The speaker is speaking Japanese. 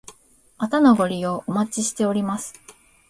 またのご利用お待ちしております。